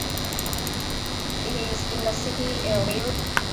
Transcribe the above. It is in the city area.